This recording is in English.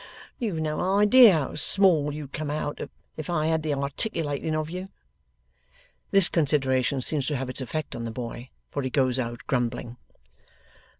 You've no idea how small you'd come out, if I had the articulating of you.' This consideration seems to have its effect on the boy, for he goes out grumbling.